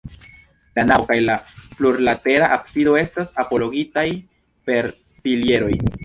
La navo kaj la plurlatera absido estas apogitaj per pilieroj.